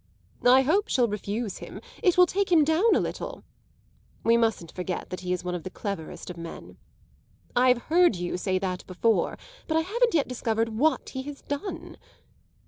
"I hope she'll refuse him. It will take him down a little." "We mustn't forget that he is one of the cleverest of men." "I've heard you say that before, but I haven't yet discovered what he has done."